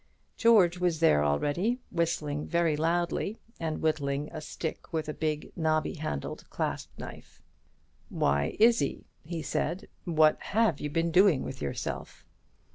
George was there already, whistling very loudly, and whittling a stick with a big knobby handled clasp knife. "Why, Izzie," he said, "what have you been doing with yourself?"